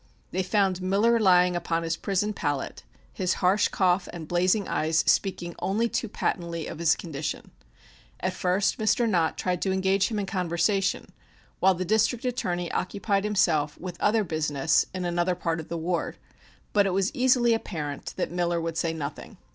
They found Miller lying upon his prison pallet, his harsh cough and blazing eyes speaking only too patently of his condition. At first Mr. Nott tried to engage him in conversation while the District Attorney occupied himself with other business in another part of the ward, but it was easily apparent that Miller would say nothing.